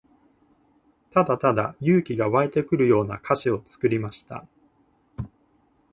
ただただ勇気が湧いてくるような歌詞を作りました。